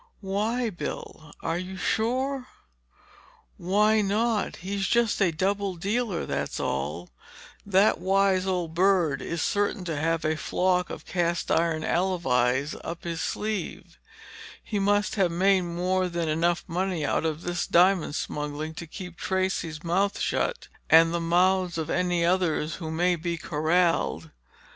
"Why, Bill—are you sure?" "Why not? He's just a double dealer, that's all. That wise old bird is certain to have a flock of cast iron alibis up his sleeve. He must have made more than enough money out of this diamond smuggling to keep Tracey's mouth shut—and the mouths of any others who may be corralled."